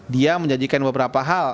dia menjanjikan beberapa hal